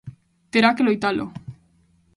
Terá que loitalo.